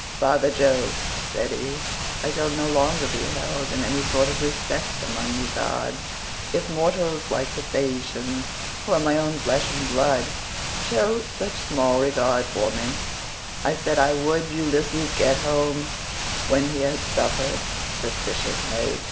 "Father Jove," said he, "I shall no longer be held in any sort of respect among you gods, if mortals like the Phaeacians, who are my own flesh and blood, show such small regard for me. I said I would let Ulysses get home when he had suffered sufficiently.